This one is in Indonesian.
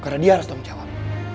karena dia harus dong jawab